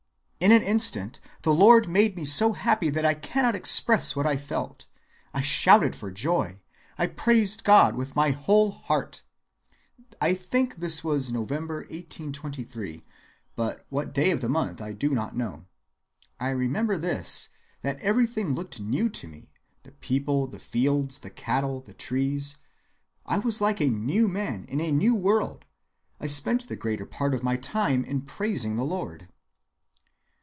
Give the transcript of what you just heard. In an instant the Lord made me so happy that I cannot express what I felt. I shouted for joy. I praised God with my whole heart.... I think this was in November, 1823, but what day of the month I do not know. I remember this, that everything looked new to me, the people, the fields, the cattle, the trees. I was like a new man in a new world. I spent the greater part of my time in praising the Lord."